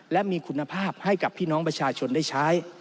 และมีคุณภาพให้กับพี่น้องประชาชนได้ใช้